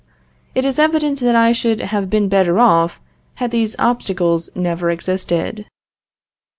It is evident that I should have been better off had these obstacles never existed.